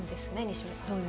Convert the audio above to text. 西銘さん。